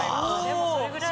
でもそれぐらい。